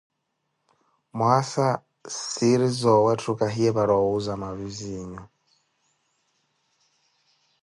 Mwaasa, siiri soowetthu khahiwe para owuuza maviziinyu.